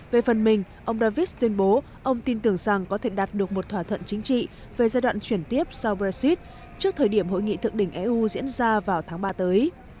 về phần mình ông davis tuyên bố ông tin tưởng rằng có thể đạt được một thỏa thuận chính trị về giai đoạn chuyển tiếp sau brexit trước thời điểm hội nghị thượng đỉnh eu diễn ra vào tháng ba tới